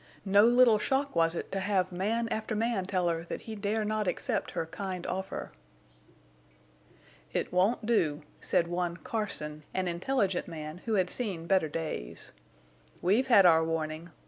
No little shock was it to have man after man tell her that he dare not accept her kind offer. "It won't do," said one Carson, an intelligent man who had seen better days. "We've had our warning.